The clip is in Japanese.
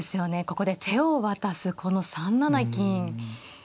ここで手を渡すこの３七金。